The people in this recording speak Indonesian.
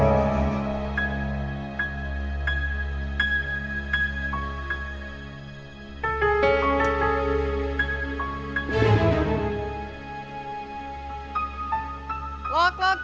kalau aku ghosts